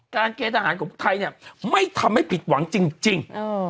การเกยรติฐาหารของไทยไม่ทำให้ผลิตหวังจริง